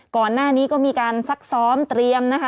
ก่อนหน้านี้ก็มีการซักซ้อมเตรียมนะคะ